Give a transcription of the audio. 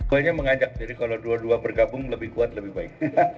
gue nya mengajak jadi kalau dua dua bergabung lebih kuat lebih baik